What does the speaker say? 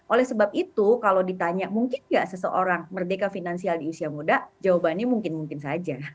oleh sebab itu kalau ditanya mungkin nggak seseorang merdeka finansial di usia muda jawabannya mungkin mungkin saja